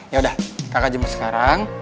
yaudah kakak jemput sekarang